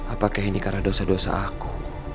apakah ini karena dosa dosa aku